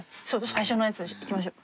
最初のやつですいきましょう。